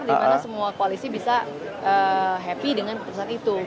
di mana semua koalisi bisa happy dengan keputusan itu